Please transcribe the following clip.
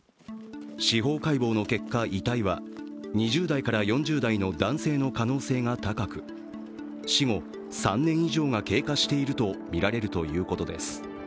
司法解剖の結果、遺体は２０代から４０代の男性の可能性が高く、死後３年以上が経過しているとみられるということです。